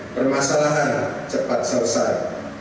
permasalahan cepat selesai